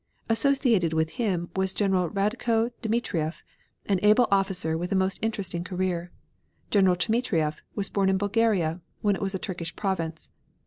Associated with him was General Radko Dmitrieff, an able officer with a most interesting career. General Dmitrieff was born in Bulgaria, when it was a Turkish province.